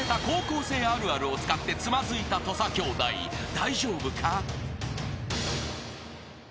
［大丈夫か？］